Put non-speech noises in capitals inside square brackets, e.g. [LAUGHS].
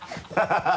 ハハハ [LAUGHS]